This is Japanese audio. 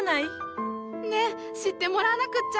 ねっ知ってもらわなくっちゃ。